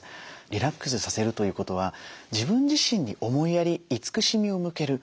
リラックスさせるということは自分自身に思いやり慈しみを向ける。